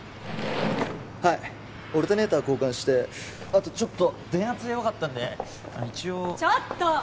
はいオルタネーター交換してあとちょっと電圧弱かったんで一応ちょっと！